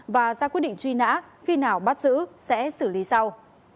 và ra quyết định truy nã khi nào bắt giữ sẽ xử lý sau